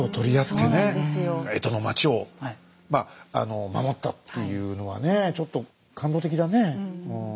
そうなんですよ江戸の町を守ったっていうのはねちょっと感動的だね。